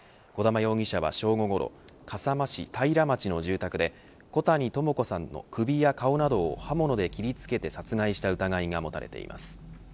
児玉容疑者は正午ごろ笠間市平町の住宅で小谷朋子さんの首や顔などを刃物で切りつけて殺害した疑いが持たれています。